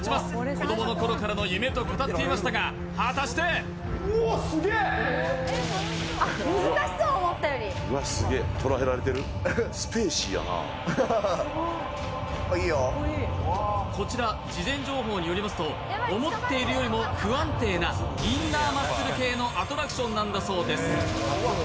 子供の頃からの夢と語っていましたが、果たしてこちら事前情報によりますと思っているよりも不安定なインナーマッスル系のアトラクションなんだそうです。